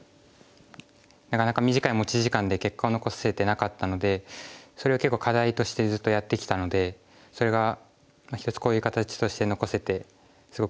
なかなか短い持ち時間で結果を残せてなかったのでそれを課題としてずっとやってきたのでそれが一つこういう形として残せてすごくうれしいです。